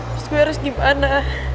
terus gue harus gimana